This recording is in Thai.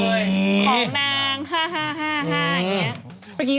ของนางห้าหรือแบบนี้